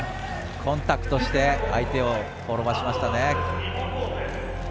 コンタクトして相手を転ばしましたね。